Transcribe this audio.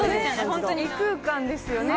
本当に異空間ですよね